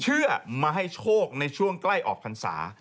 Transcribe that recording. เพื่อมาให้โชคในช่วงใกล้ออกคันศา